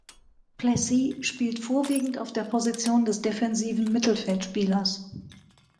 Plessis spielt vorwiegend auf der Position des defensiven Mittelfeldspielers.